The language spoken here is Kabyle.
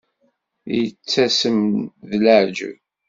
Yettasem d leεǧeb.